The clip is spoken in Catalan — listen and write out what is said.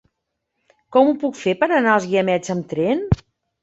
Com ho puc fer per anar als Guiamets amb tren?